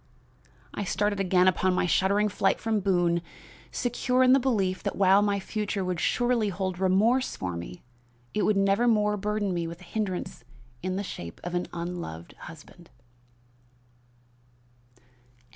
I started again upon my shuddering flight from Boone, secure in the belief that while my future would surely hold remorse for me, it would nevermore burden me with a hindrance in the shape of an unloved husband."